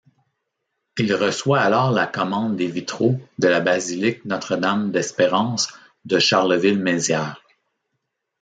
Il reçoit alors la commande des vitraux de la basilique Notre-Dame d'Espérance de Charleville-Mézières.